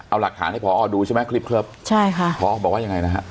เอาหลักฐานให้พอดูใช่ไหมคลิปเลิฟใช่ค่ะพอบอกว่ายังไงนะฮะ